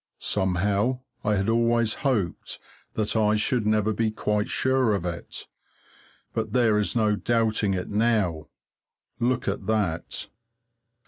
Somehow, I had always hoped that I should never be quite sure of it, but there is no doubting it now. Look at that!